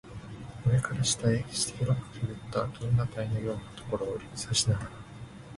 上から下へ白くけぶった銀河帯のようなところを指さしながら